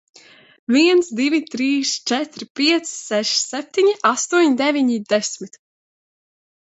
Viens, divi, trīs, četri, pieci, seši, septiņi, astoņi, deviņi, desmit.